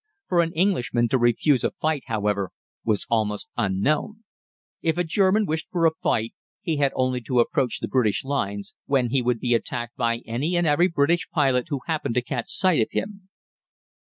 For an Englishman to refuse a fight, however, was almost unknown. If a German wished for a fight he had only to approach the British lines, when he would be attacked by any and every British pilot who happened to catch sight of him.